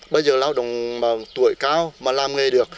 bây giờ lao động mà tuổi cao mà làm nghề được